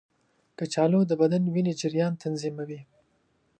کچالو د بدن وینې جریان تنظیموي.